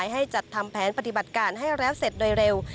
ให้จัดทำแผนปฏิบัติการให้แล้วเสร็จโดยเร็ว